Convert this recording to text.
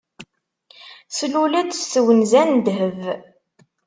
Tlul-d s twenza n ddheb.